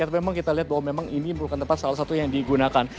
tapi memang kita lihat bahwa memang ini merupakan tempat salah satu yang digunakan